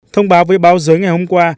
thông báo với báo giới ngày hôm qua